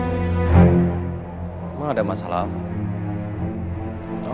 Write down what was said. emang ada masalah apa